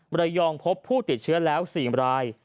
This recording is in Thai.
ระยองพบผู้ติดเชื้อแล้ว๔ราย